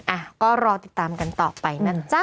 อ่ะก็รอติดตามกันต่อไปนะจ๊ะ